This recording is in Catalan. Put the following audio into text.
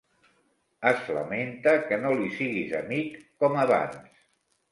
Es lamenta que no li siguis amic com abans.